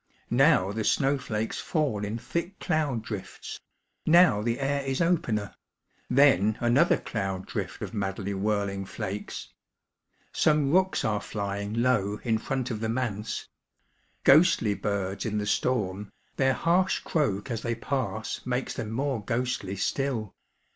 Now the snowflakes fall in thick cloud drifts ; now the air is opener ; then another cloud drift of mayfly whirling fliakes. Some rooks are flying low in front of the manse. Ghostly birds in the storm, their harsh croak as they pass makes them more ghostly still.